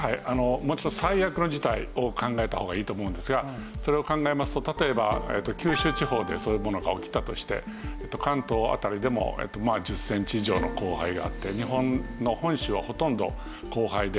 もちろん最悪の事態を考えた方がいいと思うんですがそれを考えますと例えば九州地方でそういうものが起きたとして関東辺りでもまあ１０センチ以上の降灰があって日本の本州はほとんど降灰で埋もれてしまいます。